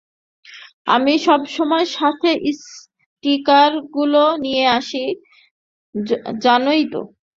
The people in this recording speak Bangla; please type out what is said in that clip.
আমি সবসময় সাথে স্টিকারগুলো নিয়ে আসি, জানোই তো।